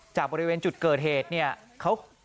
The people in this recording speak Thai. จากบริเวณจุดเกิดเหตุเขา